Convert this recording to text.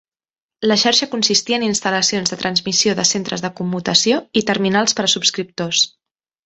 La xarxa consistia en instal·lacions de transmissió de centres de commutació i terminals per a subscriptors.